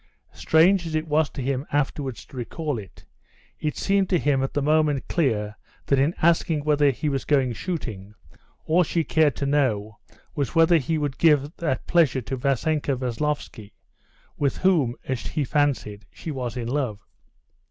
Strange as it was to him afterwards to recall it, it seemed to him at the moment clear that in asking whether he was going shooting, all she cared to know was whether he would give that pleasure to Vassenka Veslovsky, with whom, as he fancied, she was in love.